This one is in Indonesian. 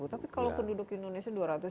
tapi kalau penduduk indonesia dua ratus